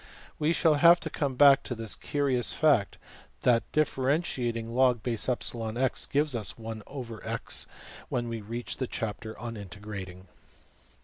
We shall have to come back to this curious fact that differentiating $\log_\epsilon x$ gives us $\dfrac{x}$ when we reach the chapter on integrating.